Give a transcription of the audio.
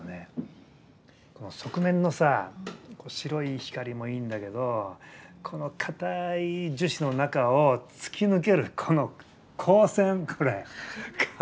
この側面のさ白い光もいいんだけどこのかたい樹脂の中を突き抜けるこの光線これかっこいいよね！